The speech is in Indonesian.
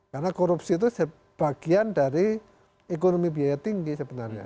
karena korupsi itu sebagian dari ekonomi biaya tinggi sebenarnya